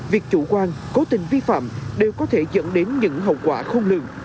việc chủ quan cố tình vi phạm đều có thể dẫn đến những hậu quả không lượng